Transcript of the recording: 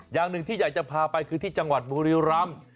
อย่างหนึ่งที่อยากจะพาไปคือที่จังหวัดบุรีรำ